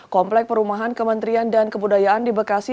komplek perumahan kementerian dan kebudayaan di bekasi